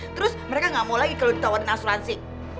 terus mereka nggak mau lagi kalau ditawarin asuransi